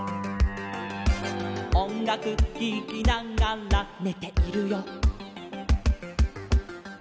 「おんがくききながらねているよ」